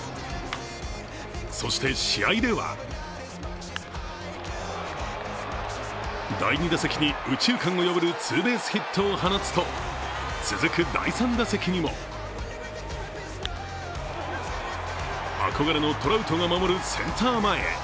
そして試合では第２打席に右中間を破るツーベースヒットを放つと続く第３打席にも憧れのトラウトが守るセンター前へ。